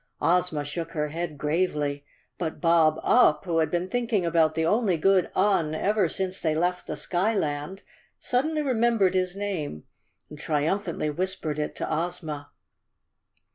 Ozma shook her head gravely, but Bob Up, who had been thinking about the only good Un ever since they left the skyland, suddenly remembered his name and triumphantly whispered it to Ozma.